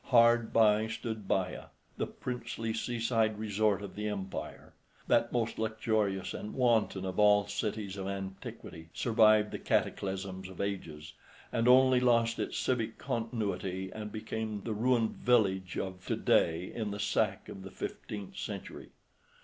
Hard by stood Baia, the princely seaside resort of the empire. That most luxurious and wanton of all cities of antiquity survived the cataclysms of ages, and only lost its civic continuity and became the ruined village of to day in the sack of the fifteenth century.